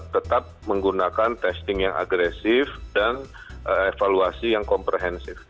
tetap menggunakan testing yang agresif dan evaluasi yang komprehensif